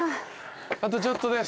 あとちょっとです。